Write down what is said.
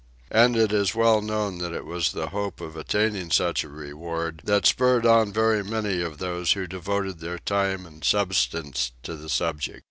And it is well known that it was the hope of attaining such a reward that spurred on very many of those who devoted their time and substance to the subject.